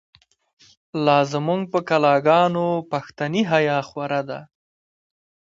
لا زمونږ په کلا گانو، پښتنی حیا خوره ده